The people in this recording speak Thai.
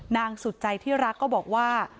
นางสุดใจที่รักก็บอกว่า